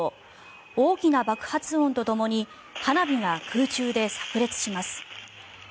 大きな爆発音とともに花火が空中でさく裂します。